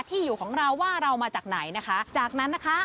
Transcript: ที่อยู่ของเราว่าเรามาจากไหนนะคะจากนั้นนะคะ